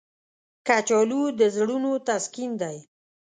کچالو د زړونو تسکین دی